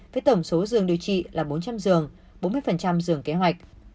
với tổng số giường điều trị là bốn trăm linh giường bốn mươi giường kế hoạch